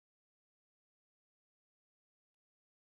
Entre sus obras más destacadas se encuentra la "Trilogía de Bartimeo".